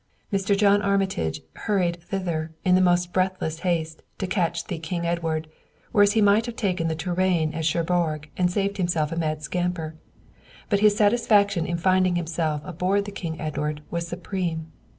Mr. John Armitage hurried thither in the most breathless haste to catch the King Edward, whereas he might have taken the Touraine at Cherbourg and saved himself a mad scamper; but his satisfaction in finding himself aboard the King Edward was supreme.